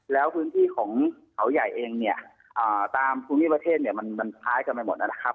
แล้วพื้นที่ของเผาใหญ่เองตามภูมิประเทศมันพล้ายกันไปหมดนะครับ